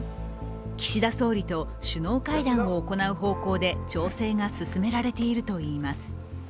岸田総理と首脳会談を行う方向で調整が進められているといいます。